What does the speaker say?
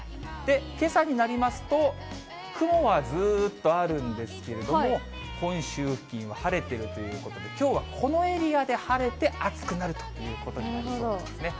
けさになりますと、雲はずーっとあるんですけれども、本州付近は晴れてるということで、きょうはこのエリアで晴れて、暑くなるということになりそうなんですね。